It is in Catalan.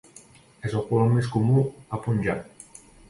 És el colom més comú al Punjab.